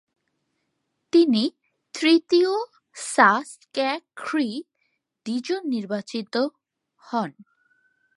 তিনি তৃতীয় সা-স্ক্যা-খ্রি-'দ্জিন নির্বাচিত হন।